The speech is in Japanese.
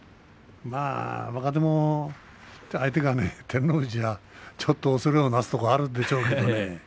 若手も相手が照ノ富士じゃあちょっと恐れをなすところはあるんでしょうけどね。